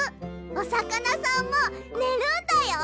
おさかなさんもねるんだよ。